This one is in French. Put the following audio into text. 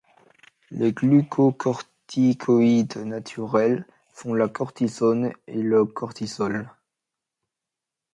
Les glucocorticoïdes naturels sont la cortisone et le cortisol.